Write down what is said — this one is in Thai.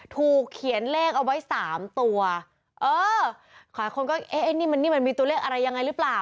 ถูกเขียนเลขเอาไว้สามตัวเออหลายคนก็เอ๊ะไอ้นี่มันนี่มันมีตัวเลขอะไรยังไงหรือเปล่า